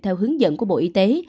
theo hướng dẫn của bộ y tế